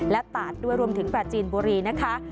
และตาดด้วยรวมถึงปราจีนบุรีนะคะ